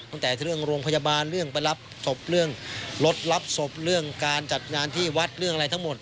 ตั้งแต่เรื่องโรงพยาบาลเรื่องไปรับศพเรื่องรถรับศพเรื่องการจัดงานที่วัดเรื่องอะไรทั้งหมด